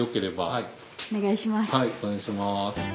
はいお願いします。